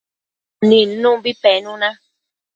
nidnumbi penuna